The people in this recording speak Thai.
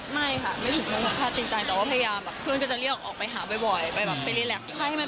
ไม่ค่ะไม่มีทนมวดปุ๊บแพร่จริงจัง